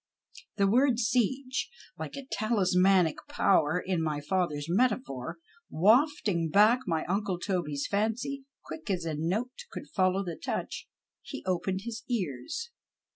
The word siege, like a talismanic power, in my father's metaphor, wafting back my uncle Toby's fancy, quick as a note could follow the touch, he opened his ears.